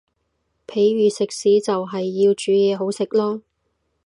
譬如食肆就係要煮嘢好食囉